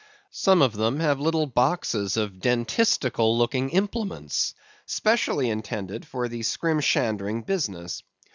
Some of them have little boxes of dentistical looking implements, specially intended for the skrimshandering business.